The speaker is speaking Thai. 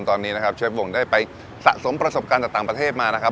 ตอนนี้นะครับเชฟวงได้ไปสะสมประสบการณ์จากต่างประเทศมานะครับ